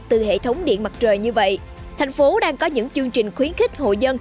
từ hệ thống điện mặt trời như vậy thành phố đang có những chương trình khuyến khích hội dân